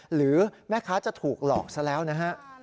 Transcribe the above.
หรือแม่ค้าจะถูกหลอกซะแล้วนะฮะ